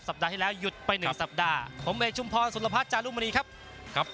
ปัดที่แล้วหยุดไปหนึ่งสัปดาห์ผมเอกชุมพรสุรพัฒน์จารุมณีครับครับ